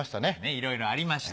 いろいろありました。